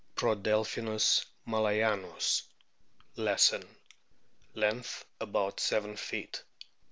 Prodelphinus malayanus, Lesson, f Length about seven feet.